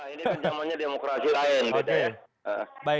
ini beda lah ini kan zamannya demokrasi lain